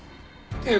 ええ。